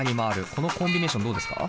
このコンビネーションどうですか？